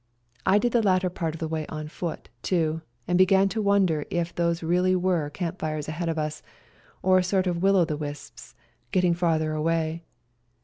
I did the latter part of the way on foot, too, and began to wonder if those really were camp fires ahead of us or sort of will o' the wisps getting farther away.